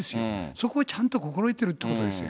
そこをちゃんと心得ているということですよ。